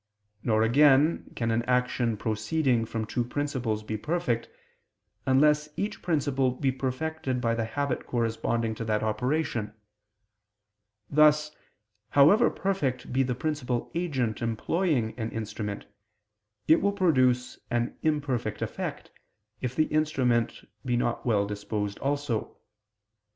Nor again can an action proceeding from two principles be perfect, unless each principle be perfected by the habit corresponding to that operation: thus, however perfect be the principal agent employing an instrument, it will produce an imperfect effect, if the instrument be not well disposed also.